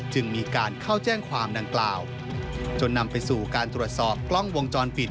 จึงมีการเข้าแจ้งความดังกล่าวจนนำไปสู่การตรวจสอบกล้องวงจรปิด